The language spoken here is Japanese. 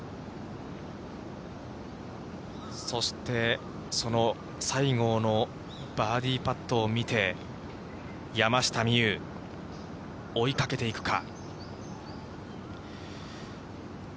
そして、その西郷のバーディーパットを見て、山下美夢有、追いかけていくか。